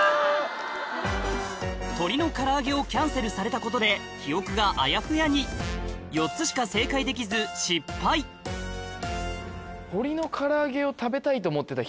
鶏の唐揚げをキャンセルされたことで記憶があやふやに４つしか正解できず失敗ハハハハ。